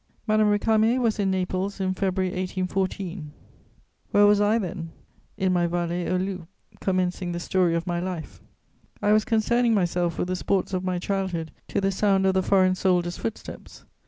Madame Récamier was in Naples in February 1814; where was I then? In my Vallée aux Loups, commencing the story of my life. I was concerning myself with the sports of my childhood to the sound of the foreign soldier's footsteps.